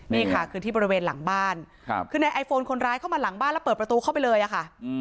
นี่ค่ะคือที่บริเวณหลังบ้านคือนายไอโฟนคนร้ายเข้ามาหลังบ้านแล้วเปิดประตูเข้าไปเลยอะค่ะ